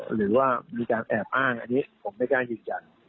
หรือว่ามีการแอบอ้างอันนี้ผมไม่กล้ายืนยัน